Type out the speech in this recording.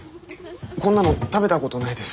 こんなの食べたことないです。